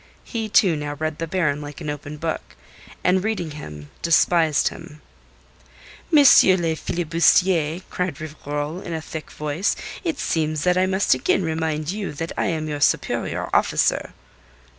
He, too, now read the Baron like an open book, and reading him despised him. "M. le filibustier," cried Rivarol in a thick voice, "it seems that I must again remind you that I am your superior officer."